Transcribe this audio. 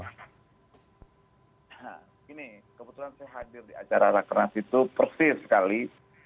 nah ini kebetulan saya hadir di acara rakernas itu persis sekali